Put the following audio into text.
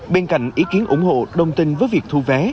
bên cạnh ý kiến ủng hộ đồng tình với việc thu vé